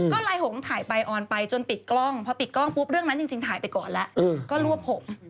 ก็ลายหงถ่ายไปออนไปจนปิดกล้องพอปิดกล้องปุ๊บเรื่องนั้นจริงถ่ายไปก่อนแล้วก็รวบผม